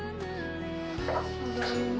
ただいま。